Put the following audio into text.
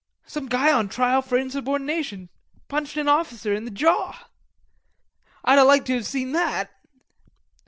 "Some guy on trial for insubordination. Punched an officer in the jaw." "I'd a liked to have seen that."